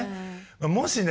もしね